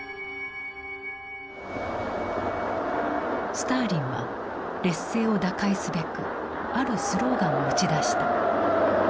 スターリンは劣勢を打開すべくあるスローガンを打ち出した。